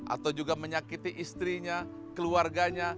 atau juga menyakiti istrinya keluarganya